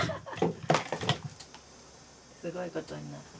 すごいことになった。